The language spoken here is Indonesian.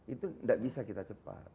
itu tidak bisa kita cepat